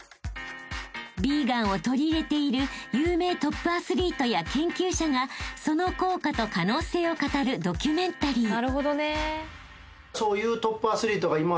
［ヴィーガンを取り入れている有名トップアスリートや研究者がその効果と可能性を語るドキュメンタリー］